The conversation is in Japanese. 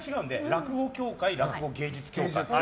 落語協会、落語芸術協会。